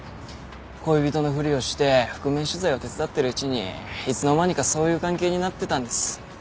恋人のふりをして覆面取材を手伝ってるうちにいつの間にかそういう関係になってたんです。